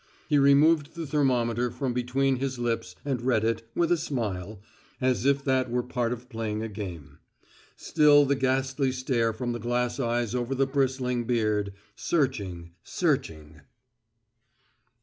He removed the thermometer from between his lips and read it, with a smile, as if that were part of playing a game. Still the ghastly stare from the glass eyes over the bristling beard, searching searching.